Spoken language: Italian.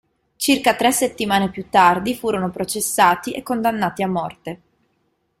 Circa tre settimane più tardi furono processati e condannati a morte.